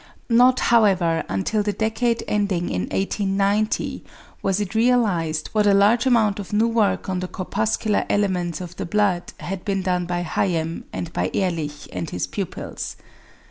Not, however, until the decade ending in 1890 was it realised what a large amount of new work on the corpuscular elements of the blood had been done by Hayem, and by Ehrlich and his pupils.